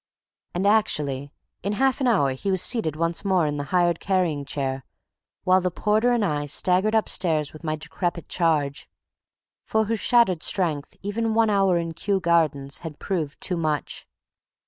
And actually in half an hour he was seated once more in the hired carrying chair, while the porter and I staggered upstairs with my decrepit charge, for whose shattered strength even one hour in Kew Gardens had proved too much!